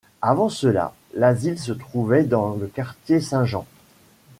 Avant cela, l’asile se trouvait dans le Quartier Saint-Jean.